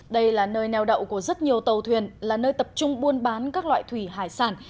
đây là nơi neo đậu của rất nhiều tàu thuyền là nơi tập trung buôn bán các loại thủy hải sản